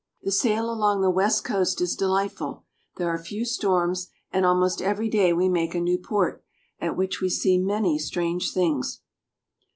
The sail along the west coast is delightful. There are few storms, and almost every day we make a new port, at which we see many strange things.